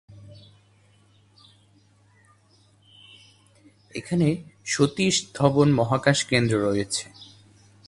এখানে সতীশ ধবন মহাকাশ কেন্দ্র রয়েছে।